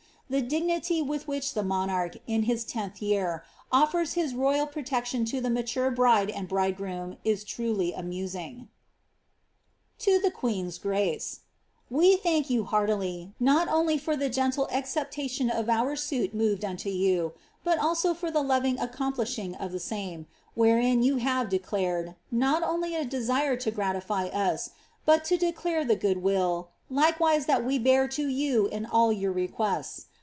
The digniTf with which the monarch, in his tenth year, olfers his royal protection to the mature bride and bridegroom is truly amusing. To THB <lUBB2r's OBACB. Wc thank you heartily, not only for the gentle acceptation of our suit moTid unto you, but also for the loving accompli:thing of the same, wherein }'ou hire declared, not only a desire to gratify us, but to declare the good wilU likewije, that we bear to you in all your requests.